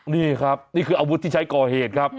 นี่ครับนี่คืออาวุธที่ใช้ก่อเหตุครับ